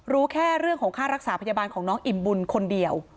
รู้แค่เรื่องของค่ารักษาพยาบาลของน้องอิ่มบุญคนเดียว